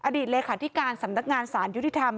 อดีตเลยค่ะที่การสำนักงานศาลยุทธิธรรม